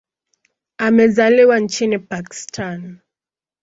Amezaliwa nchini Pakistan.